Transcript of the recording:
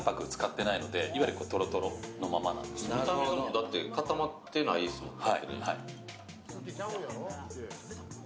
だって、固まってないですもんね。